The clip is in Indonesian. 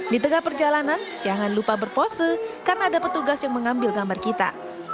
di tengah perjalanan jangan lupa berpose karena ada petugas yang mengambil gambar kita